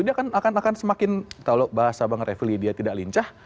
dia akan semakin kalau bahasa bang refli dia tidak lincah